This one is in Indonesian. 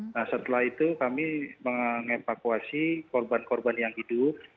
nah setelah itu kami mengevakuasi korban korban yang hidup